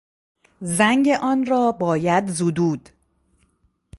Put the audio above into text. زنگ آنرا باید زدود